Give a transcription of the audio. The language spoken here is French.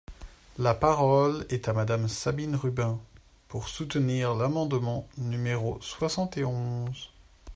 La parole est à Madame Sabine Rubin, pour soutenir l’amendement numéro soixante et onze.